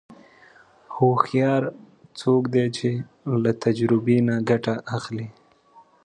هوښیار څوک دی چې له تجربې نه ګټه اخلي.